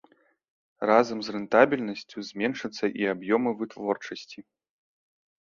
Разам з рэнтабельнасцю зменшацца і аб'ёмы вытворчасці.